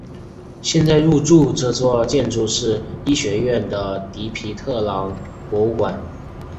现在入驻这座建筑的是医学院的迪皮特朗博物馆。